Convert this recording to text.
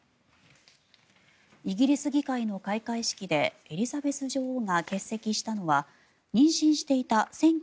イギリス議会の開会式でエリザベス女王が欠席したのは妊娠していた